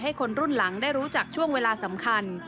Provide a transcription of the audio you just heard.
คนรุ่นหลังได้รู้จักช่วงเวลาสำคัญ